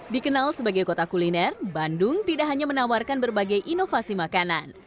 dikenal sebagai kota kuliner bandung tidak hanya menawarkan berbagai inovasi makanan